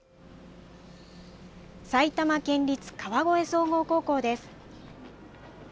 埼玉県立川越総合高校です。